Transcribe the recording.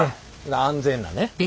安全なね。